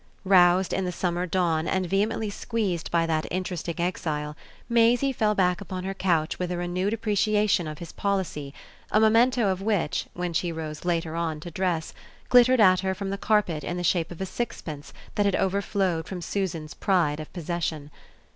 Roused in the summer dawn and vehemently squeezed by that interesting exile, Maisie fell back upon her couch with a renewed appreciation of his policy, a memento of which, when she rose later on to dress, glittered at her from the carpet in the shape of a sixpence that had overflowed from Susan's pride of possession.